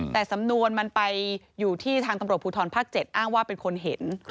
แต่สำนวนมันไปอยู่ที่ทางตำรวจภูทรภาค๗อ้างว่าเป็นคนเห็น